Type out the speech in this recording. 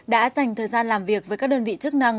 đã dành thời gian làm việc với các đơn vị chức năng